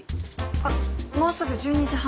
あっもうすぐ１２時半！